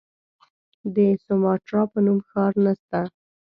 د سوماټرا په نوم ښار نسته.